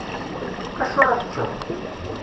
Acu ara teččeḍ?